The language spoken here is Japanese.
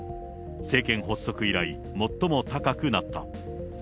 政権発足以来、最も高くなった。